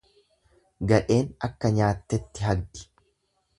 Gadheen akka nyaattetti hagdi.